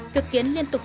việc kiến liên tục